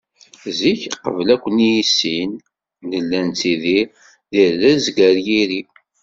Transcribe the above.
Zik, qbel ad ken-yissin, nella nettidir, di rrezg ar yiri.